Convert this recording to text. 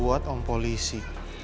buat om polisi